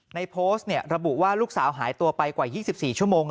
ในโพสต์ระบุว่าลูกสาวหายตัวไปกว่า๒๔ชั่วโมง